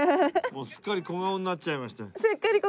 「すっかり小顔になっちゃいました」。